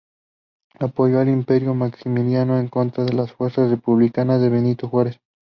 Apoyó al imperio de Maximiliano en contra de las fuerzas republicanas de Benito Juárez.